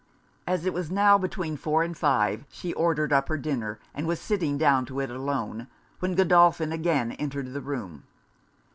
As it was now between four and five, she ordered up her dinner, and was sitting down to it alone, when Godolphin again entered the room.